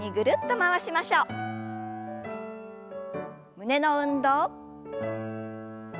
胸の運動。